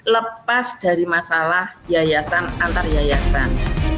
lepas dari masalah yayasan antar yayasan